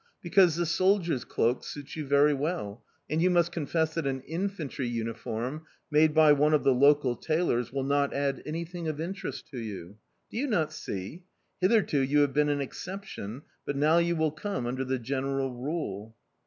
"Because the soldier's cloak suits you very well, and you must confess that an infantry uniform, made by one of the local tailors, will not add anything of interest to you... Do you not see? Hitherto, you have been an exception, but now you will come under the general rule."